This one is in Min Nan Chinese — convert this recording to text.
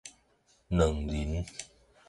卵仁